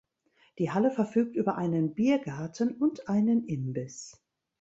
Die Halle verfügt über einen Biergarten und einen Imbiss.